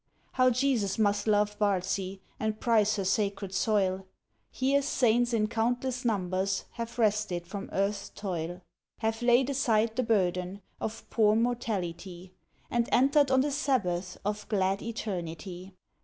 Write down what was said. How Jesus must love Bardsey, And prize her sacred soil; Here Saints in countless numbers Have rested from earth's toil: Have laid aside the burden Of poor mortality, And entered on the Sabbath Of glad eternity.